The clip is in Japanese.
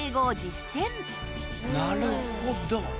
なるほど！